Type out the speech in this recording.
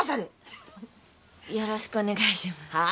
よろしくお願いします。